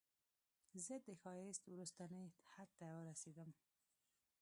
زه د ښایست وروستني حد ته ورسیدم